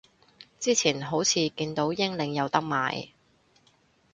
之前好似見到英領有得賣